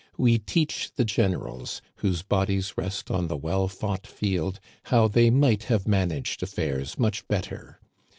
We teach the generals, whose bodies rest on the well fought field, how they might have managed affairs much better.